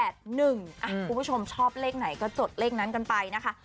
คุณผู้ชมชอบเลขไหนก็จดเลขนั้นกันไปนะคะ